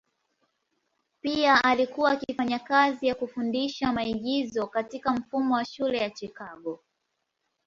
Pia alikuwa akifanya kazi ya kufundisha maigizo katika mfumo wa shule ya Chicago.